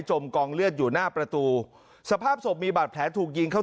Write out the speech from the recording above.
กองเลือดอยู่หน้าประตูสภาพศพมีบาดแผลถูกยิงเข้า